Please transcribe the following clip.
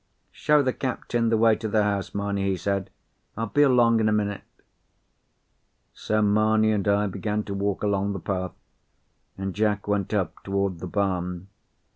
"Show the captain the way to the house, Mamie," he said. "I'll be along in a minute." So Mamie and I began to walk along the path, and Jack went up toward the barn.